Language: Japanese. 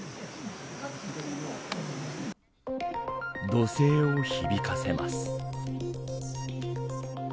怒声を響かせます。